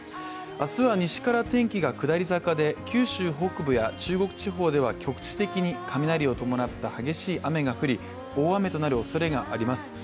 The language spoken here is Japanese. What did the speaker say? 明日は西から天気が下り坂で九州北部や中国地方では局地的に雷を伴った激しい雨が降り大雨となるおそれがあります。